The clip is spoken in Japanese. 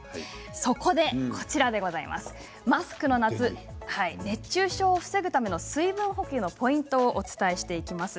そこでマスクの夏熱中症を防ぐための水分補給のポイントをお伝えしていきます。